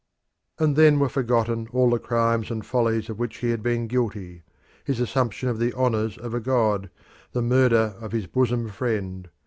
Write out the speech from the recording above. And then were forgotten all the crimes and follies of which he had been guilty his assumption of the honours of a god, the murder of his bosom friend.